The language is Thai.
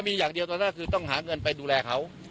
มีอย่างเดียวตอนนั้นคือต้องหาเงินไปดูแลเขา